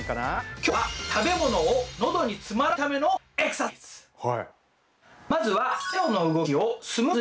今日は食べ物を喉に詰まらせないためのエクササイズ！